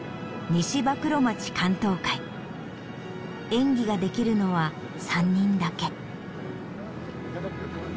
演技ができるのは３人だけ。